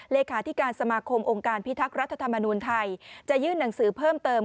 เลขาธิการสมาคมองค์การพิทักษ์รัฐธรรมนูญไทยจะยื่นหนังสือเพิ่มเติม